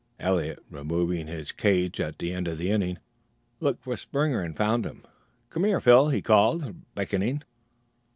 Eliot, removing his cage at the end of the inning, looked for Springer and found him. "Come here, Phil," he called, beckoning.